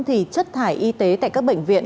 thì chất thải y tế tại các bệnh viện